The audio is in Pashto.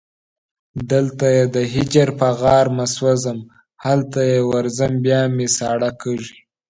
دلته یې د هجر په غارمه سوځم هلته چې ورځم بیا مې ساړه کېږي